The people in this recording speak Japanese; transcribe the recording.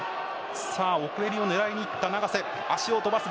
奥襟を狙いにいった永瀬。